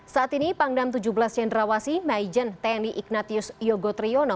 saat ini pangdam tujuh belas cendrawasi maizen tni ignatius yogotriono